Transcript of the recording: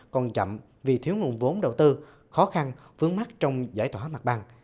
còn chậm vì thiếu nguồn vốn đầu tư khó khăn vướng mắt trong giải tỏa mặt bằng